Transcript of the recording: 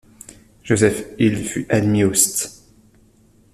Joseph Hill fut admis au St.